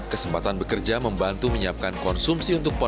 kesempatan bekerja membantu menyiapkan konsumsi untuk pon papua